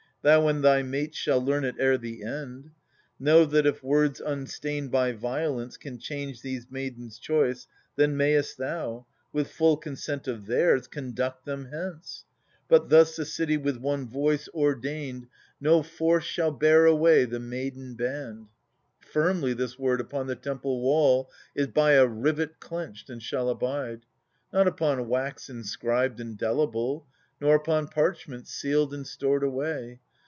Thou and thy mates shall learn it ere the end. Know that if words unstained by violence Can change these maidens' choice, then mayest thou. With full consent of theirs, conduct them hence. But thus the city with one voice ordained — THE SUPPLIANT MAIDENS. 47 No force shall bear away the maiden band. Firmly this word upon the temple wall Is by a rivet clenched, and shall abide : Not upon wax inscribed and delible, Nor upon parchment sealed and stored away.